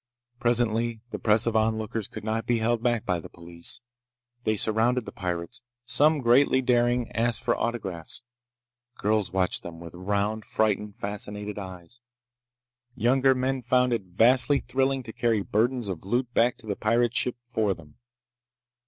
Presently the press of onlookers could not be held back by the police. They surrounded the pirates. Some, greatly daring, asked for autographs. Girls watched them with round, frightened, fascinated eyes. Younger men found it vastly thrilling to carry burdens of loot back to the pirate ship for them.